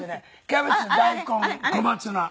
キャベツ大根小松菜。